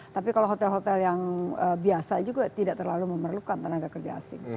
tapi kalau hotel hotel yang biasa juga tidak terlalu memerlukan tenaga kerja asing